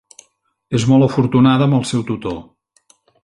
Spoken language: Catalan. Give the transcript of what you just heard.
És molt afortunada amb el seu tutor.